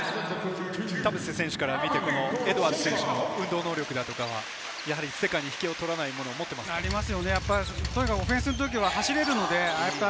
田臥選手から見て、エドワーズ選手の運動能力だとかは、世界にひけを取らないもの、ありますか？